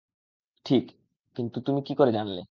ঠিক, কিন্তু তুমি কী করে জানলে?